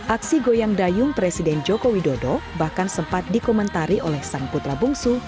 aksi goyang dayung presiden joko widodo bahkan sempat dikomentari oleh sang putra bungsu